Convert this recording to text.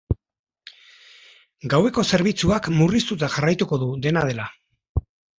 Gaueko zerbitzuak murriztuta jarraituko du, dena dela.